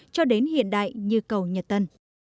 cho đến hiện đại như cầu nhật tân